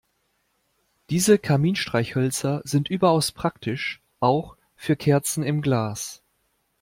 Diese Kaminstreichhölzer sind überaus praktisch, auch für Kerzen im Glas.